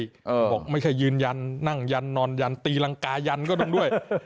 บอกไม่ใช่ยืนยันนั่งยันนอนยันตีรังกายันก็ต้องด้วย